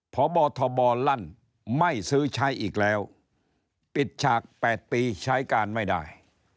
พบทบลั่นไม่ซื้อใช้อีกแล้วปิดฉาก๘ปีใช้การไม่ได้